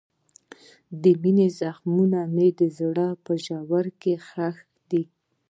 د مینې زخمونه مې د زړه په ژورو کې ښخ دي.